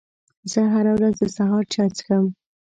زه هره ورځ د سهار چای څښم